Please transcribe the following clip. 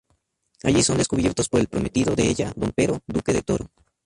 Allí son descubiertos por el prometido de ella, Don Pero, Duque de Toro.